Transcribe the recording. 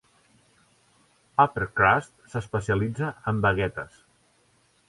Upper Crust s'especialitza en baguetes.